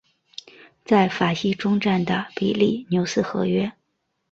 在法西终战的比利牛斯和约。